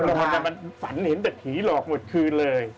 ก็๕คนที่มันฝันเห็นหนังผีหลอกหมดคืนเลย